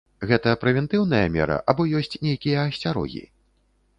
Гэта прэвентыўная мера, або ёсць нейкія асцярогі?